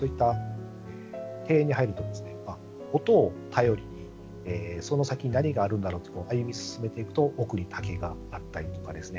庭園に入ると音を頼りに、その先に何があるんだろうと歩み進めていくと奥に滝があったりとかですね。